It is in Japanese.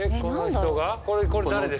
これ誰ですか？